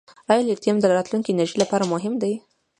آیا لیتیم د راتلونکي انرژۍ لپاره مهم دی؟